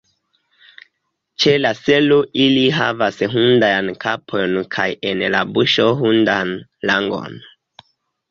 Ĉe la selo ili havas hundajn kapojn kaj en la buŝo hundan langon!